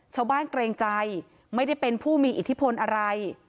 เกรงใจไม่ได้เป็นผู้มีอิทธิพลอะไร